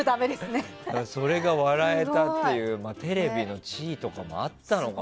それが笑えたというテレビの地位とかもあったのかな。